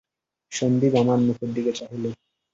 সন্দীপ আমার মুখের দিকে চাইলে।